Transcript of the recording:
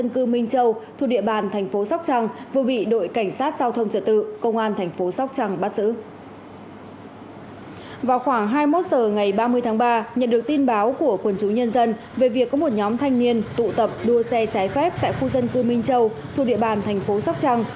vào khoảng hai mươi một h ngày ba mươi tháng ba nhận được tin báo của quần chúng nhân dân về việc có một nhóm thanh niên tụ tập đua xe trái phép tại khu dân cư minh châu thuộc địa bàn thành phố sóc trăng